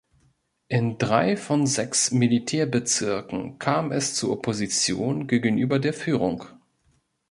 In drei von sechs Militärbezirken kam es zu Opposition gegenüber der Führung.